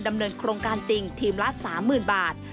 ดำเนินโครงการจริงทีมละ๓๐๐๐บาท